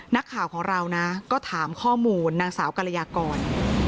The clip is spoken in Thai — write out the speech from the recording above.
นักข่าวของเรานะก็ถามข้อมูลนางสาวกรยากร